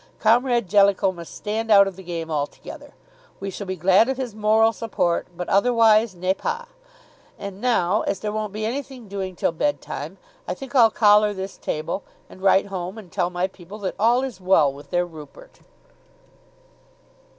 Comrade Jellicoe must stand out of the game altogether. We shall be glad of his moral support, but otherwise, ne pas. And now, as there won't be anything doing till bedtime, I think I'll collar this table and write home and tell my people that all is well with their Rupert."